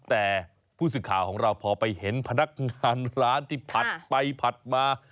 แต่ผู้สื่อข่าวของเราพอไปเห็นพนักงานร้านที่ผัดไปผัดมา